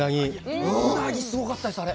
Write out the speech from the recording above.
ウナギ、すごかったです、あれ。